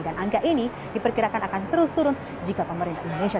dan angka ini diperkirakan akan terus turun jika pemerintah indonesia